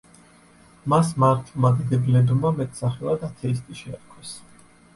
მას მართლმადიდებლებმა მეტსახელად „ათეისტი“ შეარქვეს.